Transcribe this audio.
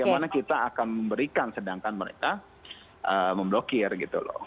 bagaimana kita akan memberikan sedangkan mereka memblokir gitu loh